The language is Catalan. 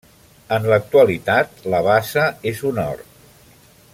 En l'actualitat la bassa és un hort.